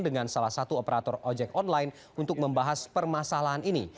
dengan salah satu operator ojek online untuk membahas permasalahan ini